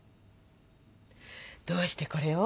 どうしてこれを？